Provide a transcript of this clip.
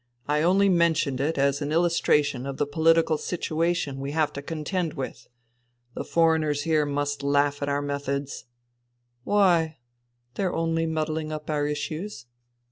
" I only mentioned it as an illustration of the political situation we have to contend with. The foreigners here must laugh at our methods !"" Why ? They're only muddling up our issues."